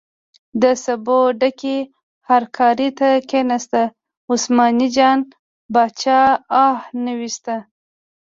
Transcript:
د سبو ډکې هرکارې ته کیناست، عثمان جان باچا اه نه ویست.